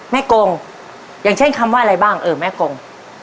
กงอย่างเช่นคำว่าอะไรบ้างเออแม่กง